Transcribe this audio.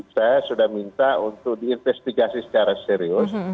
saya sudah minta untuk diinvestigasi secara serius